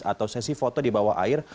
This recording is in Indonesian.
atau sesi foto di bawah air